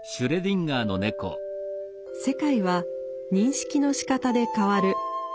世界は認識のしかたで変わる。